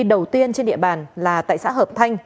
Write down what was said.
đầu tiên trên địa bàn là tại xã hợp thanh